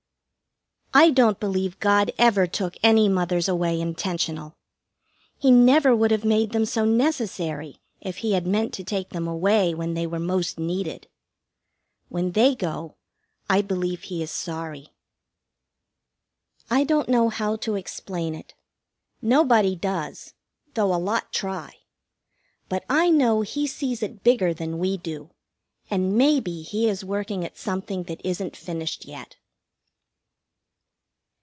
I don't believe God ever took any mothers away intentional. He never would have made them so necessary if He had meant to take them away when they were most needed. When they go I believe He is sorry. I don't know how to explain it. Nobody does, though a lot try. But I know He sees it bigger than we do, and maybe He is working at something that isn't finished yet.